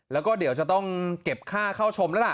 แล้วก็เดี๋ยวจะต้องเก็บค่าเข้าชมแล้วล่ะ